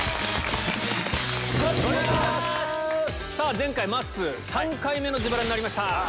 前回まっすー３回目の自腹になりました。